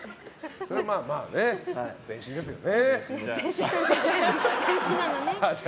それはまあね、全身ですよね。